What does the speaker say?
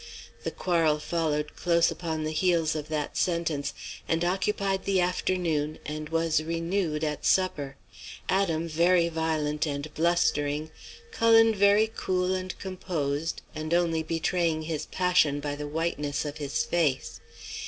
"The quarrel followed close upon the heels of that sentence, and occupied the afternoon and was renewed at supper. Adam very violent and blustering; Cullen very cool and composed, and only betraying his passion by the whiteness of his face.